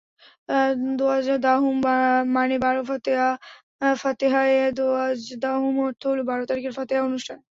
দোয়াজদাহুম মানে বারো, ফাতেহায়ে দোয়াজদাহুম অর্থ হলো বারো তারিখের ফাতেহা অনুষ্ঠান।